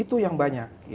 itu yang banyak